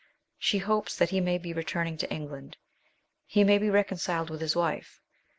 She hopes that he may be returning to England. " He may be reconciled with his wife."